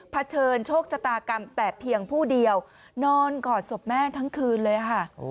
เฉินโชคชะตากรรมแต่เพียงผู้เดียวนอนกอดศพแม่ทั้งคืนเลยค่ะ